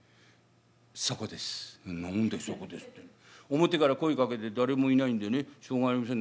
「表から声かけて誰もいないんでねしょうがありません